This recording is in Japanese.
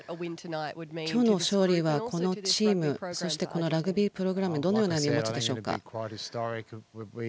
今日の勝利は、このチームそしてこのラグビープログラムにどのような意味を持つでしょうか。